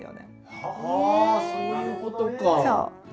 はあそういうことか。